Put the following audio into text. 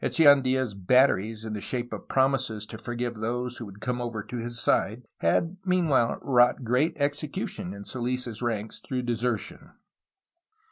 Echeandla' s "batteries," in the shape of promises to forgive those who would come over to his side, had meanwliile wrought great execution in Soils' ranks through desertion.